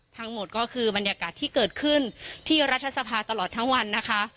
ทั้งหมดก็คือบรรยากาศที่เกิดขึ้นที่รัฐสภาตลอดทั้งวันนะคะ